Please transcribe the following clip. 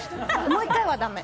もう１回はだめ。